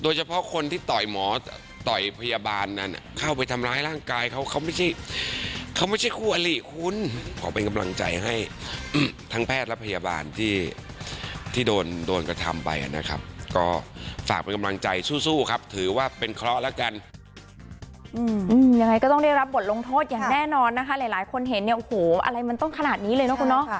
ยังไงก็ต้องได้รับบทลงโทษอย่างแน่นอนนะคะหลายคนเห็นเนี่ยโอ้โหอะไรมันต้องขนาดนี้เลยนะคุณเนาะ